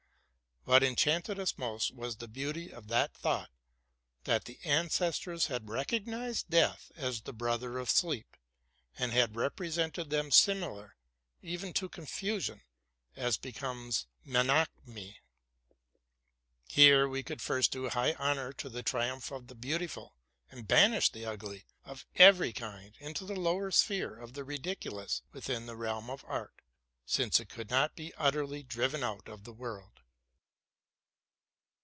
What enchanted us most was the beauty of that thought, that the ancients had recognized death as the brother of sleep, and had represented them similar, even to confusion, as becomes Menzchmi. Here we could first do high honor to the triumph of the beautiful, and banish the ugly of ev ery kind into the low sphere of the ridiculous within the realm of art, since it could not be utterly driven out of the world.